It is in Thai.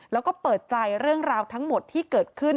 แล้วก็เปิดใจเรื่องราวทั้งหมดที่เกิดขึ้น